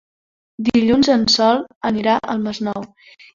Dilluns en Sol anirà al Masnou.